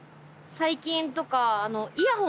最近とか。